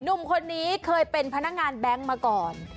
หนุ่มคนนี้เคยเป็นพนักงานแบงค์มาก่อน